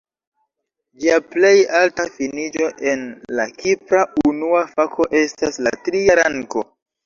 Ĝia plej alta finiĝo en la Kipra Unua Fako estas la tria rango.